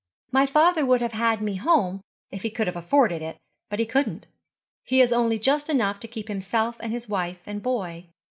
My father would have had me home if he could have afforded it; but he couldn't. He has only just enough to keep himself and his wife and boy.